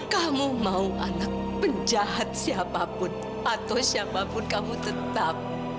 kamu mau anak penjahat siapapun atau siapapun kamu tetap